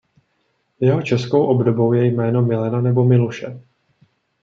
Jeho českou obdobou je jméno Milena nebo Miluše.